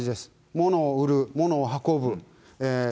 物を売る、物を運ぶ。